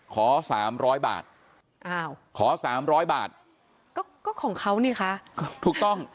ขอสามร้อยบาทอ้าวขอสามร้อยบาทก็ก็ของเขานี่คะถูกต้อง